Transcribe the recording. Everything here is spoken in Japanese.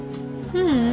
ううん。